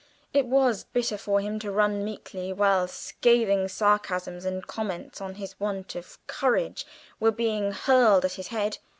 It was bitter for him to run meekly about while scathing sarcasms and comments on his want of courage were being hurled at his head.